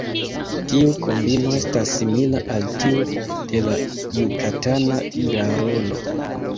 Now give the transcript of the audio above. Tiu kombino estas simila al tiu de la Jukatana garolo.